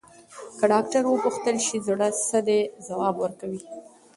که ډاکټر وپوښتل شي، زړه څه دی، ځواب ورکوي.